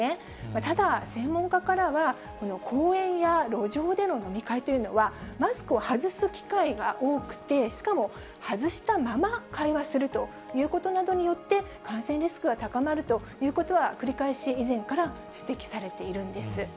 ただ、専門家からは、公園や路上での飲み会というのは、マスクを外す機会が多くて、しかも外したまま会話するということなどによって、感染リスクが高まるということは、繰り返し以前から指摘されているんです。